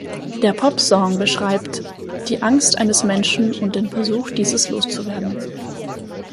Der Popsong beschreibt die Angst eines Menschen und den Versuch dieses loszuwerden.